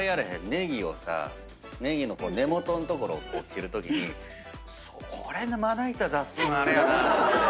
ネギをさネギの根元の所を切るときにこれでまな板出すんあれやなって。